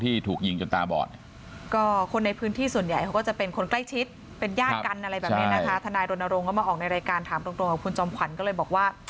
ที่ถูกยิงจนตาบอด